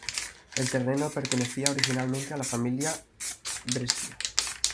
El terreno pertenecía originalmente a la familia Brescia.